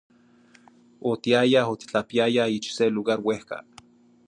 Otiyayah otitlapiyayah ich ce lugar uehca.